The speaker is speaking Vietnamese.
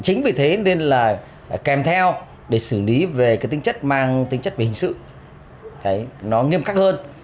chính vì thế nên là kèm theo để xử lý về cái tính chất mang tính chất về hình sự nó nghiêm khắc hơn